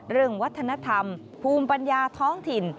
เรื่องวัฒนธรรมภูมิปัญญาท้องถิ่น